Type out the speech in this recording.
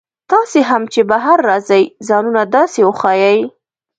تاسي هم چې بهر راځئ ځانونه داسې وښایئ.